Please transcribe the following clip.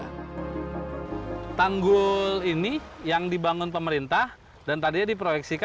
perbaikan tanggul pun dikebut karena air laut semakin mendekati permukiman warga